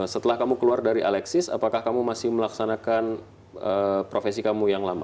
setelah kamu keluar dari alexis apakah kamu masih melaksanakan profesi kamu yang lama